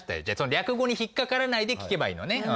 じゃ略語に引っ掛からないで聞けばいいのね。